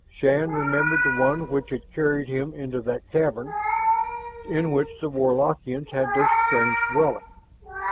Shann remembered the one which had carried him into that cavern in which the Warlockians had their strange dwelling.